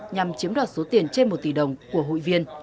nhằm chiếm đoạt số tiền trên một tỷ đồng của hụi viên